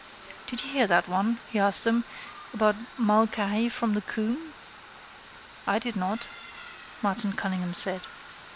—Did you hear that one, he asked them, about Mulcahy from the Coombe? —I did not, Martin Cunningham said.